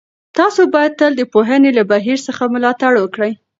تاسو باید تل د پوهنې له بهیر څخه ملاتړ وکړئ.